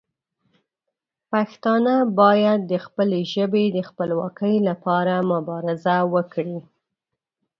پښتانه باید د خپلې ژبې د خپلواکۍ لپاره مبارزه وکړي.